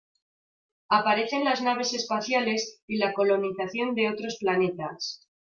Aparecen las naves espaciales y la colonización de otros planetas.